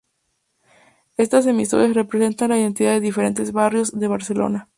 Estas emisoras representan la identidad de diferentes barrios de Barcelona.